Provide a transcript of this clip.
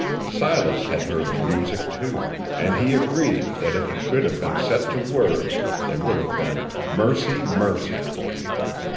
Silas had heard the music, too, and he agreed that if it could have been set to words, they would have been "Mercy! Mercy!"